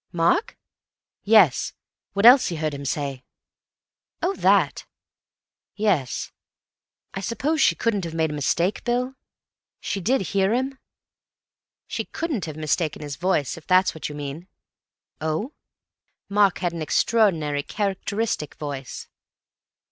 "Mark?" "Yes. What Elsie heard him say." "Oh, that." "Yes I suppose she couldn't have made a mistake, Bill? She did hear him?" "She couldn't have mistaken his voice, if that's what you mean." "Oh?" "Mark had an extraordinary characteristic voice."